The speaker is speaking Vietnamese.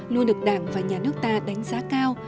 luôn được đảng và nhà nước ta đánh giá cao và trân trọng